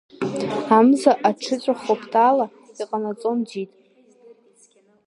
Амза аҽыҵәахуа ԥҭала иҟанаҵон џьит.